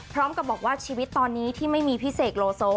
พร้อมกับบอกว่าชีวิตตอนนี้ที่ไม่มีพี่เสกโลโซ